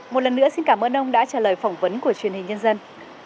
một lần nữa xin cảm ơn ông đã trả lời phỏng vấn của truyền hình nhân dân